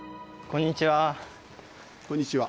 こんにちは。